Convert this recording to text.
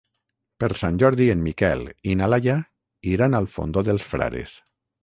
Per Sant Jordi en Miquel i na Laia iran al Fondó dels Frares.